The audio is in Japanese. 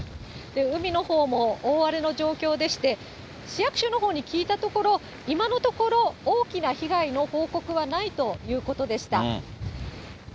海のほうも大荒れの状況でして、市役所のほうに聞いたところ、今のところ、大きな被害の報告はないということでした。